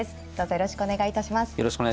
よろしくお願いします。